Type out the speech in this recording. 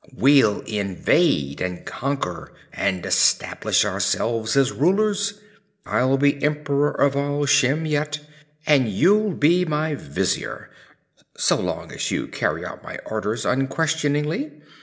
We'll invade and conquer and establish ourselves as rulers. I'll be emperor of all Shem yet, and you'll be my vizier, so long as you carry out my orders unquestioningly.